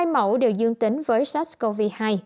hai mẫu đều dương tính với sars cov hai